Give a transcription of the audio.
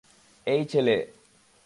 এই, ছেলে।